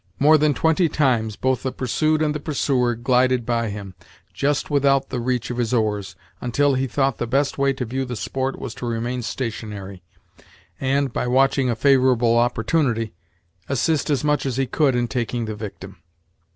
More than twenty times both the pursued and the pursuer glided by him, just without the reach of his oars, until he thought the best way to view the sport was to remain stationary, and, by watching a favorable opportunity, assist as much as he could in taking the victim.